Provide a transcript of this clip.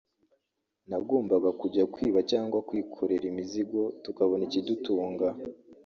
nagombaga kujya kwiba cyangwa kwikorera imizigo tukabona ikidutunga